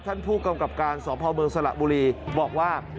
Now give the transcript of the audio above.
ท่านผู้กำกับการสพเมืองสระบุรีบอกว่า